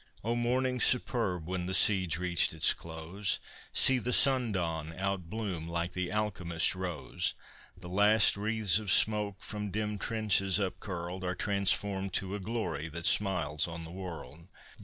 O morning superb! when the siege reached its close; See! the sundawn outbloom, like the alchemist's rose! The last wreaths of smoke from dim trenches upcurled, Are transformed to a glory that smiles on the world.